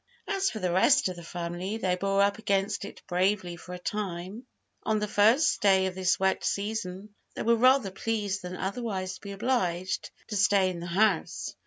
As for the rest of the family, they bore up against it bravely for a time. On the first day of this wet season, they were rather pleased than otherwise to be obliged to stay in the house.